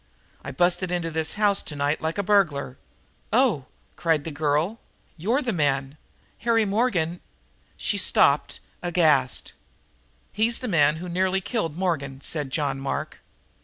I busted into this house tonight like a burglar " "Oh," cried the girl, "you're the man Harry Morgan " She stopped, aghast. "He's the man who nearly killed Morgan," said John Mark.